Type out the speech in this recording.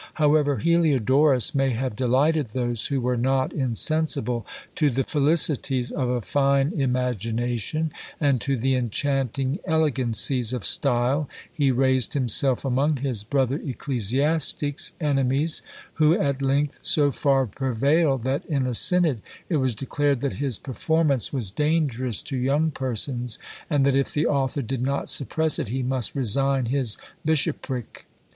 However Heliodorus may have delighted those who were not insensible to the felicities of a fine imagination, and to the enchanting elegancies of style, he raised himself, among his brother ecclesiastics, enemies, who at length so far prevailed, that, in a synod, it was declared that his performance was dangerous to young persons, and that if the author did not suppress it, he must resign his bishopric.